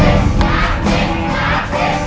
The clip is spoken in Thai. ลูกหมู๓ตัวน้องมะปร่าว